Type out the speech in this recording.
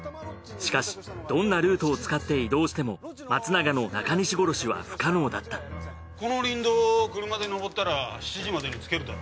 しかしどんなルートを使って移動しても松永の中西殺しは不可能だったこの林道を車で上ったら７時までに着けるだろ？